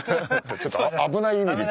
ちょっと危ない意味で。